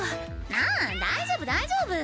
ああ大丈夫大丈夫。